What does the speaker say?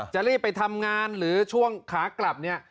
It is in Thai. จะรีบไปทำงานหรือช่วงขากลับเนี่ย